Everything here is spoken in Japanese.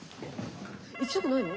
行きたくないの？